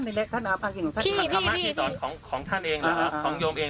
เพราะว่ามันเป็นสิ่งวิเศษแล้วต้องเข้าใจเป็นธรรมดา